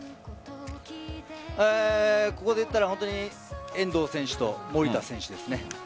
ここで言ったら遠藤選手と守田選手ですね。